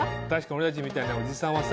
俺たちみたいなおじさんはさ